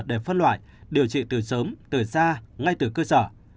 để phân loại điều trị từ sớm từ xa ngay từ cơ sở